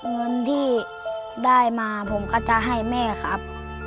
เงินที่ได้มาผมก็จะให้แม่ครับ